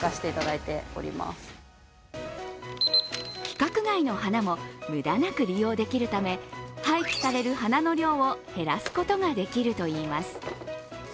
規格外の花も無駄なく利用できるため、廃棄される花の量を減らすことができるといいます。